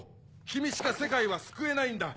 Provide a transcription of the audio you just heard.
君しか世界は救えないんだ！